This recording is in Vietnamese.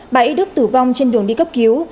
bà y đức tử vong trên đường đi cấp cứu